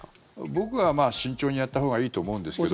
僕は慎重にやったほうがいいと思うんですけど。